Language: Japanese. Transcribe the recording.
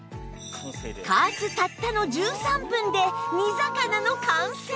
加圧たったの１３分で煮魚の完成！